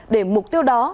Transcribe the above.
để mục tiêu đó